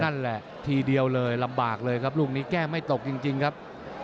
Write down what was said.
นั่นแหละทีเดียวเลยลำบากเลยครับลูกนี้แก้ไม่ตกจริงครับ